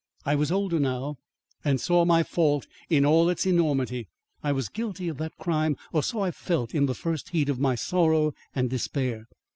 I was older now and saw my fault in all its enormity. I was guilty of that crime or so I felt in the first heat of my sorrow and despair.